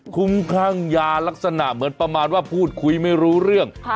คุ้มคลั่งยาลักษณะเหมือนประมาณว่าพูดคุยไม่รู้เรื่อง